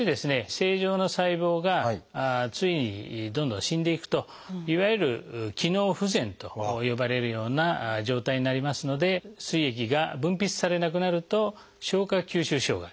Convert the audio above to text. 正常な細胞がついにどんどん死んでいくといわゆる「機能不全」と呼ばれるような状態になりますのですい液が分泌されなくなると消化吸収障害